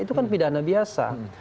itu kan pidana biasa